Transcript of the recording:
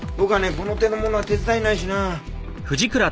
この手のものは手伝えないしな。